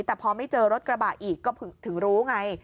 แต่พอไม่เจอรถกระบะอีกก็ถึงรู้ไง